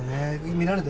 見られた？